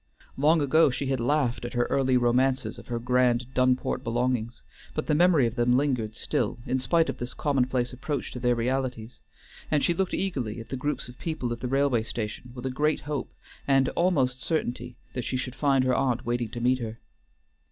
Long ago she had laughed at her early romances of her grand Dunport belongings, but the memory of them lingered still, in spite of this commonplace approach to their realities, and she looked eagerly at the groups of people at the railway station with a great hope and almost certainty that she should find her aunt waiting to meet her.